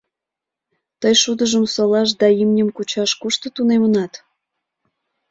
— Тый шудыжым солаш да имньым кучаш кушто тунемынат?